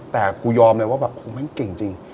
แต่กูยอมเลยว่าแบบครูแม่งเก่งจริง